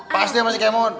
pasti sama si kemut